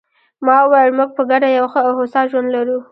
ما وویل: موږ په ګډه یو ښه او هوسا ژوند لرو.